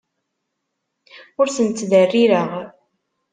Ur ten-ttderrireɣ.